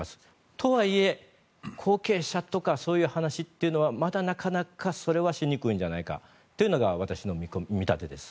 とはいえ、後継者とかそういう話というのはまだなかなかそれはしにくいのではないかというのが私の見立てです。